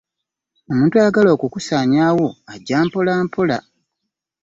Omuntu ayagala okukusaanyaawo ajja mpolampola.